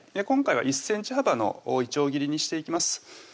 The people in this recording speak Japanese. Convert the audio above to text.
今回は１ｃｍ幅のいちょう切りにしていきます